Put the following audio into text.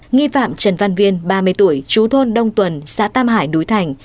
nghi phạm trần văn viên ba mươi tuổi chú thôn đông tuần xã tam hải núi thành